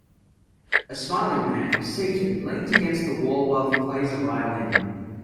A smiling man, seated, leans against the wall while he plays a violin.